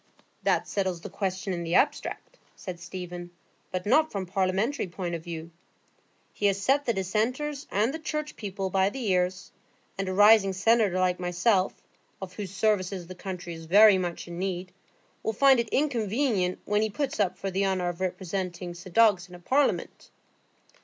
"That settles the question in the abstract," said Stephen, "but not from a parliamentary point of view. He has set the Dissenters and the Church people by the ears; and a rising senator like myself, of whose services the country is very much in need, will find it inconvenient when he puts up for the honour of representing St Ogg's in Parliament."